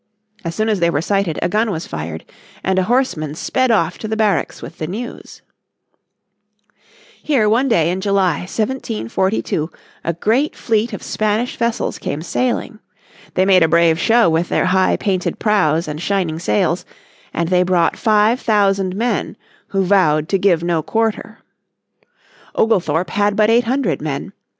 As soon as they were sighted a gun was fired, and a horseman sped off to the barracks with the news. they attack the settlements, 1742 Here one day in July, 1742, a great fleet of Spanish vessels came sailing. They made a brave show with their high painted prows and shining sails, and they brought five thousand men who vowed to give no quarter. Oglethorpe had but eight hundred men.